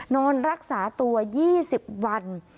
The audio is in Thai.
นอนรักษาตัว๒๐วัน